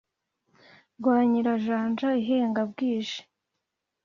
Rwanyirajanja ihenga bwije,